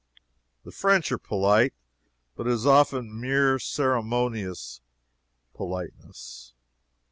The French are polite, but it is often mere ceremonious politeness.